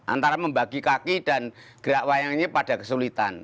antara membagi kaki dan gerak wayangnya pada kesulitan